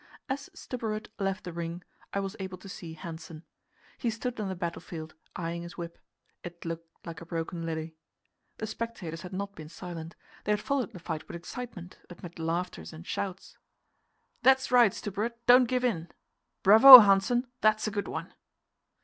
As Stubberud left the ring, I was able to see Hanssen. He stood on the battle field, eyeing his whip; it looked like a broken lily. The spectators had not been silent; they had followed the fight with excitement, amid laughter and shouts. "That's right, Stubberud. Don't give in!" "Bravo, Hanssen! that's a good one!"